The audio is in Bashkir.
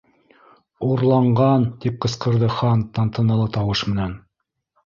—Урланған! —тип ҡысҡырҙы Хан тантаналы тауыш менән